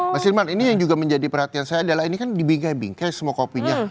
mas irman ini yang juga menjadi perhatian saya adalah ini kan di bingkai bingkai semua kopinya